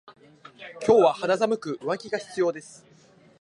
今日は肌寒く上着が必要です。